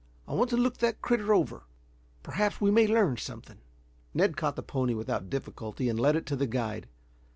I want to look the critter over. Perhaps we may learn something." Ned caught the pony without difficulty, and led it to the guide.